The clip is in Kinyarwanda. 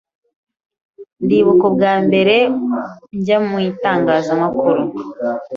ndibuk ubwa mbere njya mu itangazamakuru